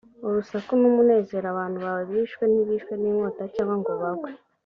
urusaku n umunezero g abantu bawe bishwe ntibishwe n inkota cyangwa ngo bagwe